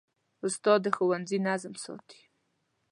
استاد د ښوونځي نظم ساتي.